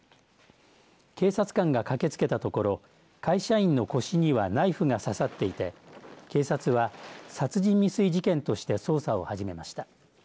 警察官が駆けつけたところ会社員の腰にはナイフが刺さっていて警察は殺人未遂事件として捜査を始めました。